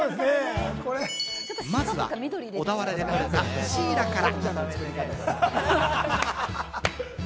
まずは小田原でとれたシイラから。